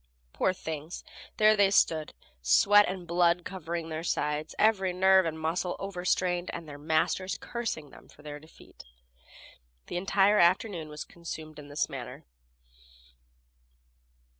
Poor things! there they stood, sweat and blood covering their sides, every nerve and muscle overstrained, and their masters cursing them for their defeat. The entire afternoon was consumed in this manner.